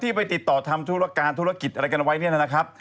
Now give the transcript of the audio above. ไปติดต่อทำธุรการธุรกิจอะไรกันไว้เนี่ยนะครับ